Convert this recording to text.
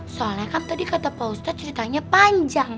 soalnya kan tadi kata pak ustadz ceritanya panjang